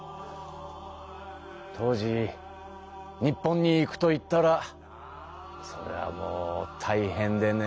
当時日本に行くといったらそれはもうたいへんでね。